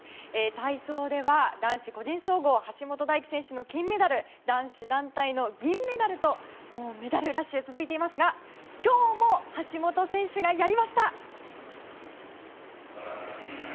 体操では、男子個人総合橋本大輝選手の金メダル男子団体の銀メダルとメダルラッシュが続いていますが今日も橋本選手がやりました！